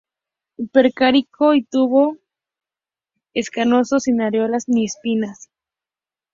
Pericarpio y tubo algo escamoso, sin areolas ni espinas.